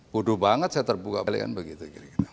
buduh banget saya terbuka balikan begitu